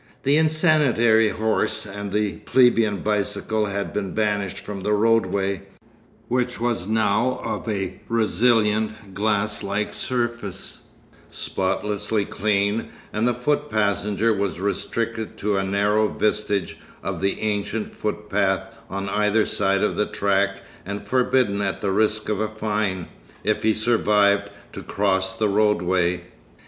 The insanitary horse and the plebeian bicycle had been banished from the roadway, which was now of a resilient, glass like surface, spotlessly clean; and the foot passenger was restricted to a narrow vestige of the ancient footpath on either side of the track and forbidden at the risk of a fine, if he survived, to cross the roadway.